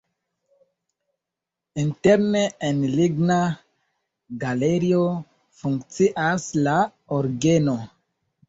Interne en ligna galerio funkcias la orgeno.